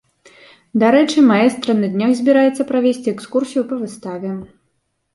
Дарэчы, маэстра на днях збіраецца правесці экскурсію па выставе.